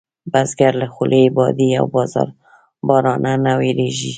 بزګر له خولې، بادې او بارانه نه وېرېږي نه